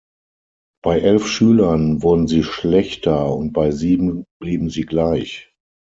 Bei elf Schülern wurden sie schlechter und bei sieben blieben sie gleich.